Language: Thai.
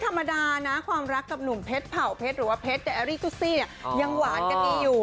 ธรรมดานะความรักกับหนุ่มเพชรเผ่าเพชรหรือว่าเพชรแต่แอรี่ซุซี่เนี่ยยังหวานกันดีอยู่